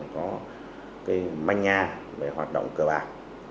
có manh nha về hoạt động cờ bạc